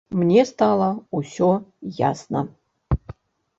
Мне стала ўсё ясна.